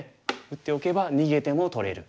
打っておけば逃げても取れる。